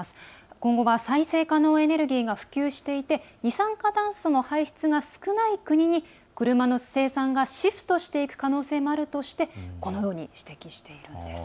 今後は再生可能エネルギーが普及していて二酸化炭素の排出が少ない国に、車の生産がシフトしていく可能性もあるとしてこのように指摘しているんです。